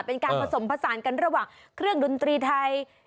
เป็นการผสมผสานกันระหว่างเครื่องดนตรีไทย